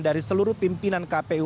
dari seluruh pimpinan kpu